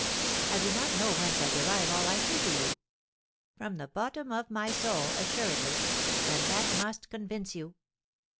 I do not know whence I derive all I say to you; from the bottom of my soul, assuredly and that must convince you!